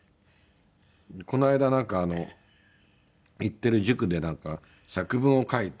この間なんか行ってる塾で作文を書いて。